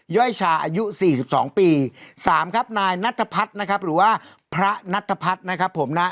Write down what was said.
ย่อยชาอายุ๔๒ปี๓ครับนายนัทพัฒน์นะครับหรือว่าพระนัทพัฒน์นะครับผมนะ